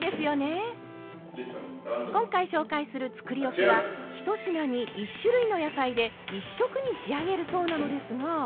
今回紹介するつくりおきは１品に１種類の野菜で１色に仕上げるそうなのですが。